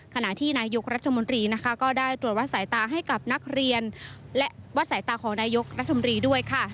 ขณะที่นายกรัฐมนตรีนะคะก็ได้ตรวจวัดสายตาให้กับนักเรียนและวัดสายตาของนายกรัฐมนตรีด้วยค่ะ